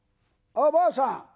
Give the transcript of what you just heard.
ばあさん